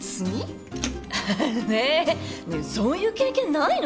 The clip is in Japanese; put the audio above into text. ねえそういう経験ないの？